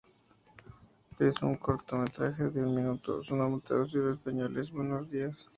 Es un cortometraje de un minuto, su nombre traducido al español es "Buenos Días".